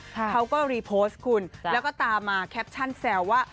เขาก็รีโพสต์คุณแล้วก็ตามมาแคปชั่นแซวว่า